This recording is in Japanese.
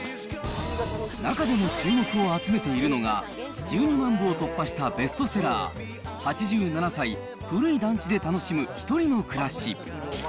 中でも注目を集めているのが、１２万部を突破したベストセラー、８７歳、古い団地で愉しむひとりの暮らし。